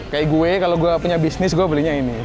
kayak gue kalau gue punya bisnis gue belinya ini